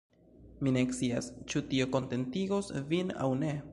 Mi ne scias, ĉu tio kontentigos vin aŭ ne.